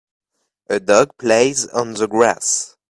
A dog plays on the grass